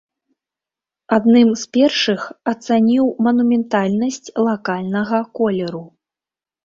Адным з першых ацаніў манументальнасць лакальнага колеру.